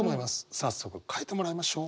早速書いてもらいましょう。